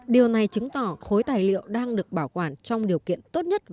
điều này chứng tỏ khối tài liệu đang được bảo quản trong điều kiện tốt nhất